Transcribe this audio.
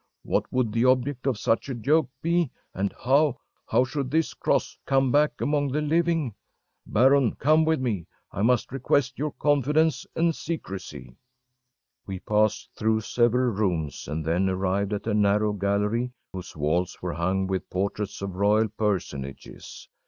What would the object of such a joke be? and how how should this cross come back among the living? Baron, come with me, I must request your confidence and secrecy!‚ÄĚ We passed through several rooms, and then arrived at a narrow gallery whose walls were hung with portraits of royal personages.